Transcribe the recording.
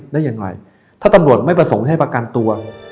ได้ยังไงถ้าตำรวจไม่ประสงค์ให้ประกันตัว